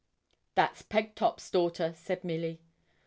'That's Pegtop's daughter,' said Milly.